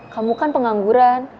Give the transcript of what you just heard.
kamu kan pengangguran